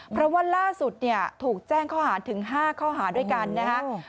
เพราะว่าล่าสุดเนี่ยถูกแจ้งข้อหาถึง๕ข้อหาด้วยกันนะครับ